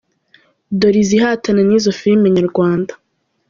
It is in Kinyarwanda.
Dore izihatana n’izo filime nyarwanda :.